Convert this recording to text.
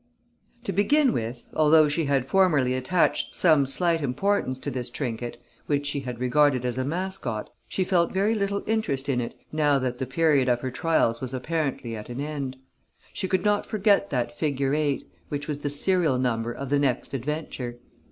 To begin with, although she had formerly attached some slight importance to this trinket, which she had regarded as a mascot, she felt very little interest in it now that the period of her trials was apparently at an end. She could not forget that figure eight, which was the serial number of the next adventure.